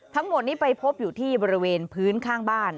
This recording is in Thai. ทั้งหมดนี้ไปพบอยู่ที่บริเวณพื้นข้างบ้าน